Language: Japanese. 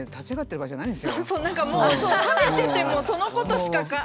何かもう食べててもそのことしか頭にない。